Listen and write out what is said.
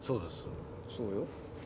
そうよ。